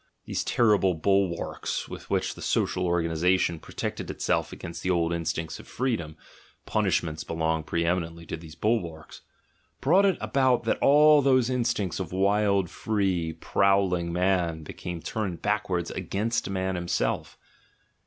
These terrible bulwarks, with which the social organisation pro tected itself against the old instincts of freedom (punish ments belong pre eminently to these bulwarks), brought it about that all those instincts of wild, free, prowling man became turned backwards against man himself.